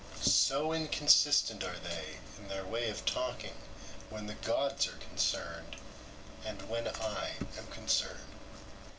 So inconsistent are they in their way of talking when the gods are concerned, and when I am concerned.